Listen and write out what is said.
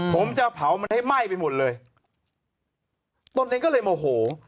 ผมจะเผามันให้ไหม้ไปหมดเลยตนเองก็เลยโมโห